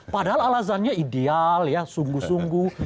padahal alasannya ideal ya sungguh sungguh